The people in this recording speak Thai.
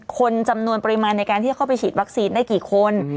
คนจำนวนปริมาณในการที่จะเข้าไปฉีดวัคซีนได้กี่คน